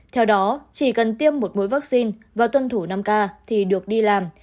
theo đó chỉ cần tiêm một mũi vaccine và tuân thủ năm k thì được đi làm